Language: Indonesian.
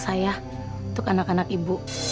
saya untuk anak anak ibu